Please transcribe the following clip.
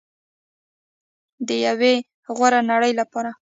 د یوې غوره نړۍ لپاره.